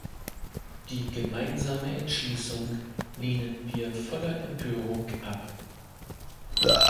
Die gemeinsame Entschließung lehnen wir voller Empörung ab.